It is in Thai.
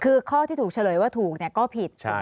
คือข้อที่ถูกเฉลยว่าถูกเนี่ยก็ผิด